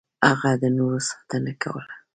هغه د نورو ساتنه کوله.